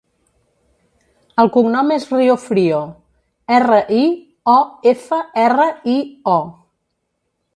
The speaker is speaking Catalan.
El cognom és Riofrio: erra, i, o, efa, erra, i, o.